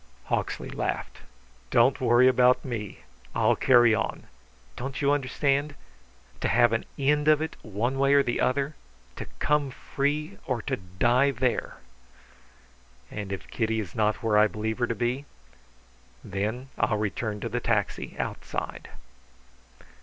Hawksley laughed. "Don't worry about me. I'll carry on. Don't you understand? To have an end of it, one way or the other! To come free or to die there!" "And if Kitty is not where I believe her to be?" "Then I'll return to the taxi outside."